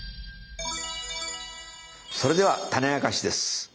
それではタネあかしです。